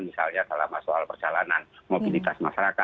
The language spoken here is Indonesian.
misalnya dalam soal perjalanan mobilitas masyarakat